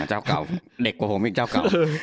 เก่าเด็กกว่าผมอีกเจ้าเก่า